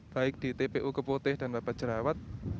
baik di tpu kepoteh dan bapak jerawat